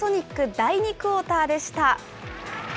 第２クオーターでした。